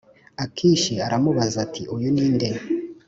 Akishi aramubaza ati uyu ninde